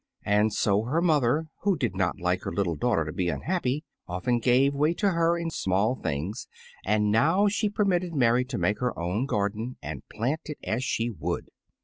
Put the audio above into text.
And so her mother, who did not like her little daughter to be unhappy, often gave way to her in small things, and now she permitted Mary to make her own garden, and plant it as she would.